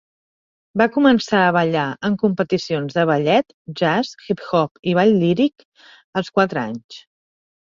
Va començar a ballar en competicions de ballet, jazz, hip hop i ball líric als quatre anys.